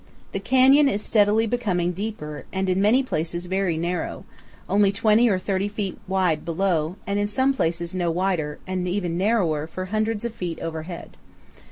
The canyon is steadily becoming deeper and in many places very narrow only 20 or 30 feet wide below, and in some places no wider, and even narrower, for hundreds of feet overhead.